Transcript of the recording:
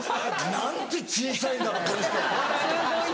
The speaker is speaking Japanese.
何て小さいんだろう